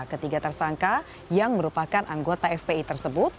ketiga tersangka yang merupakan anggota fpi tersebut